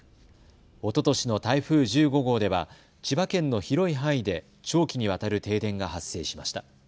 おととしの台風１５号では千葉県の広い範囲で長期にわたる停電が発生しました。